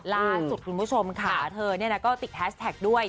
ล่าสุดคุณผู้ชมค่ะเธอก็ติดแฮชแท็กด้วย